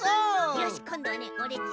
よしこんどはねオレっち